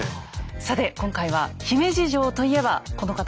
さて今回は姫路城といえばこの方です。